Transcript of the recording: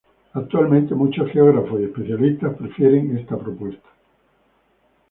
Actualmente, muchos geógrafos y especialistas prefieren esta propuesta.